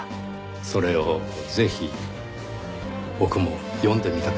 それをぜひ僕も読んでみたくなりましてね。